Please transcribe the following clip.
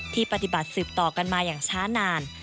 ปฏิบัติสืบต่อกันมาอย่างช้านาน